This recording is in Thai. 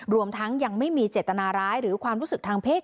รวมทั้งยังไม่มีเจตนาร้ายหรือความรู้สึกทางเพศ